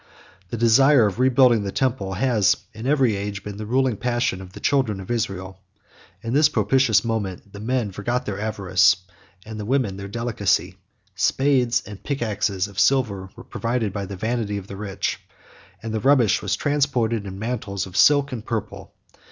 The desire of rebuilding the temple has in every age been the ruling passion of the children of Israel. In this propitious moment the men forgot their avarice, and the women their delicacy; spades and pickaxes of silver were provided by the vanity of the rich, and the rubbish was transported in mantles of silk and purple.